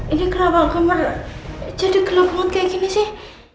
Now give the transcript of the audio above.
ini kenapa kamar jadi gelap banget kayak gini sih